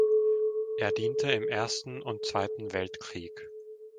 Er diente im Ersten und Zweiten Weltkrieg.